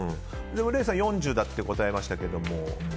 礼さん４０だって答えましたけど。